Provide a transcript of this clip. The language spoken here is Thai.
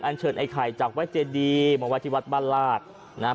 เชิญไอ้ไข่จากวัดเจดีมาไว้ที่วัดบ้านลาดนะฮะ